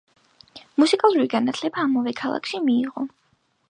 მუსიკალური განათლება ამავე ქალაქში მიიღო.